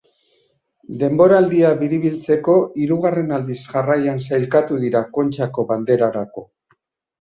Denboraldia biribiltzeko hirugarren aldiz jarraian sailkatu dira Kontxako Banderarako.